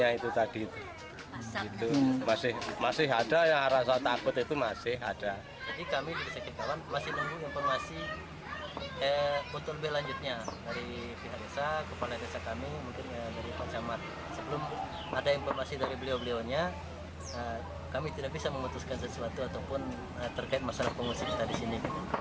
jika tidak ada informasi dari beliau beliaunya kami tidak bisa memutuskan sesuatu ataupun terkait masalah pengungsi kita di sini